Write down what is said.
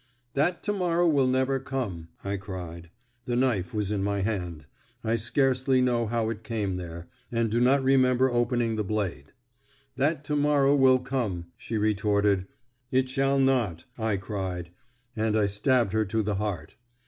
'That to morrow will never come!' I cried. The knife was in my hand. I scarcely know how it came there, and do not remember opening the blade. 'That to morrow will come!' she retorted. 'It shall not!' I cried; and I stabbed her to the heart.